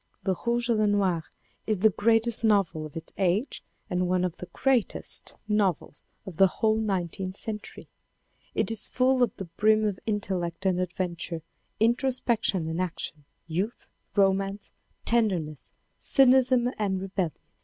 Le Rouge et Le Noir js the greatest novel of its age and one of the greatest xvi. INTRODUCTION novels of the whole nineteenth century. It is full to the brim of intellect and adventure, introspection and action, youth, romance, tenderness, cynicism and rebellion.